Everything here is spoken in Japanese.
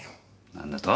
何だと！？